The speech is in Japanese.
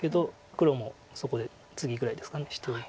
黒もそこでツギぐらいですかしといて。